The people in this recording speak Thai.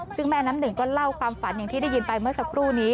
ซึ่งแม่น้ำหนึ่งก็เล่าความฝันอย่างที่ได้ยินไปเมื่อสักครู่นี้